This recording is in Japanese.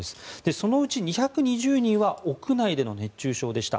そのうち２２０人は屋内での熱中症でした。